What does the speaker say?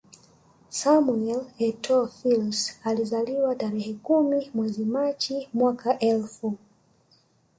Samuel Etoo Fils alizaliwa tarehe kumi mwezi Machi mwaka elfu